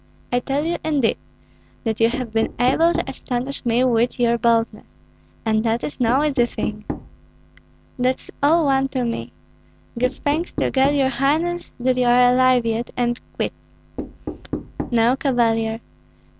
I tell you, indeed, that you have been able to astonish me with your boldness, and that is no easy thing." "That's all one to me. Give thanks to God, your highness, that you are alive yet, and quits." "No, Cavalier.